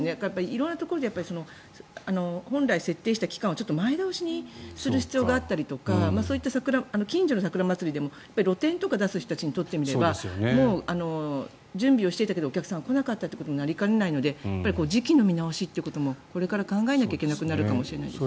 色んなところで本来、設定した期間をちょっと前倒しにする必要があったりとか近所の桜まつりでも露店とか出す人にとってみれば準備をしていたけどお客さんが来なかったっていうことになりかねないので時期の見直しってこともこれから考えなきゃいけなくなるかもしれませんね。